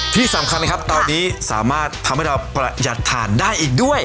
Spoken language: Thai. ที่สำคัญนะครับตอนนี้สามารถทำให้เราประหยัดฐานได้อีกด้วย